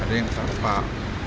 ada yang salah pak